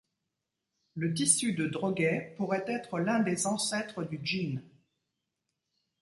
Le tissu de droguet pourrait être l'un des ancêtres du jean.